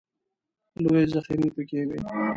لویې ذخیرې پکې وې.